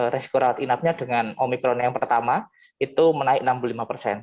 resiko rawat inapnya dengan omikron yang pertama itu menaik enam puluh lima persen